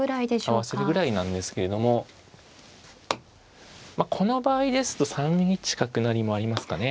合わせるぐらいなんですけれどもこの場合ですと３一角成もありますかね。